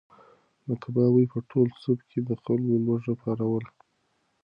د کباب بوی په ټوله سوبه کې د خلکو لوږه پاروله.